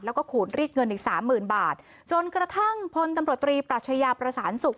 แล้วก็ขูดรีดเงินอีกสามหมื่นบาทจนกระทั่งพลตำรวจตรีปรัชญาประสานสุข